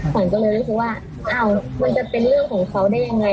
ขวัญก็เลยรู้สึกว่าอ้าวมันจะเป็นเรื่องของเขาได้ยังไง